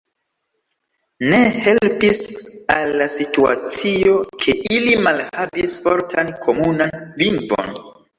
Ne helpis al la situacio, ke ili malhavis fortan komunan lingvon.